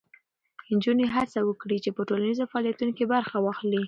نجونې هڅه وکړي چې په ټولنیزو فعالیتونو کې برخه واخلي.